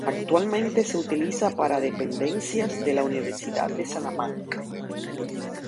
Actualmente se utiliza para dependencias de la Universidad de Salamanca.